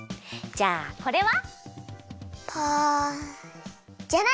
じゃあこれは？